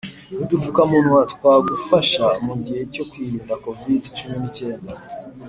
Udupfukamunwa twagufasha mugihe cyo kwirinda covid-cumi n’icyenda